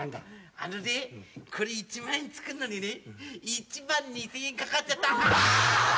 あのねこれ一万円造んのにね１万２，０００円かかっちゃった！